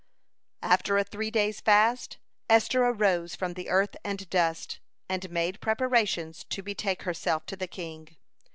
After a three days' fast, Esther arose from the earth and dust, and made preparations to betake herself to the king.